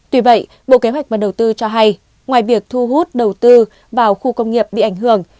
tuy vậy bộ kế hoạch và đầu tư cho hay ngoài việc thu hút đầu tư vào khu công nghiệp bị ảnh hưởng